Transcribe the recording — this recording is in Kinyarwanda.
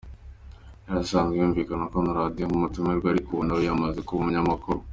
Yari asanzwe yumvikana kuri radio nk'umutumirwa, ariko ubu nawe yamaze kuba umunyamakuru.